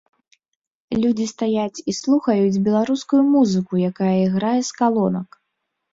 Людзі стаяць і слухаюць беларускую музыку, якая іграе з калонак.